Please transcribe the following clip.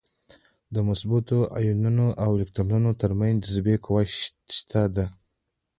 د مثبتو ایونونو او الکترونونو تر منځ جاذبې قوه شته ده.